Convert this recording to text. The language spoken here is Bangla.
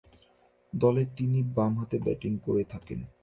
দলে তিনি বামহাতে ব্যাটিং করে থাকেন।